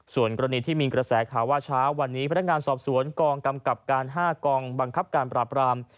ส่วนกรณีที่มีกระแสข่าวว่าเช้าวันนี้พนักงานสอบสวนกองกำกับการ๕กองบังคับการปราบราม